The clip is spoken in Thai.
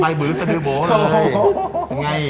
สบายบื๋อสะดือโบ๊ะเลย